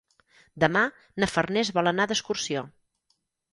Demà na Farners vol anar d'excursió.